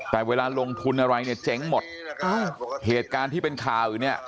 แต่เวลาลงทุนอะไรเนี่ยเจ๊งหมดอ่าเหตุการณ์ที่เป็นข่าวอยู่เนี่ย